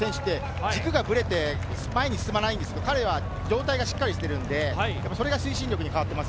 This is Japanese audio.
高身長の選手って軸がぶれて、前に進まないんですけど、彼は上体がしっかりしているので、それが推進力に変わっています。